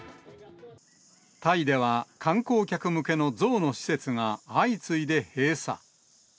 タイでは、観光客向けの象の施設が相次いで閉鎖。